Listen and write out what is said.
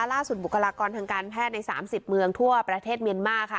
ล่าสุดบุกรากรทางการแพทย์ในสามสิบเมืองทั่วประเทศเมียนมาร์ค่ะ